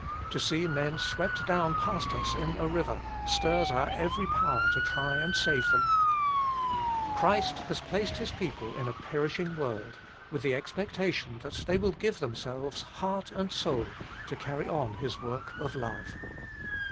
To see men swept down past us in a river, stirs our every power to try and save them. Christ has placed Working for God in His people in a perishing world, with the expectation that they will give themselves, heart and soul, to carry on His work of love.